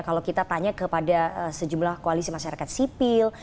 kalau kita tanya kepada sejumlah koalisi masyarakat sipil